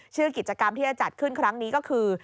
ชื่อกิจกรรมที่จะจัดขึ้นครั้งนี้ก็คือ